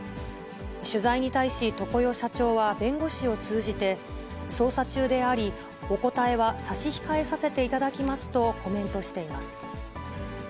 取材に対し、常世社長は弁護士を通じて、捜査中であり、お答えは差し控えさせていただきますとコメントしています。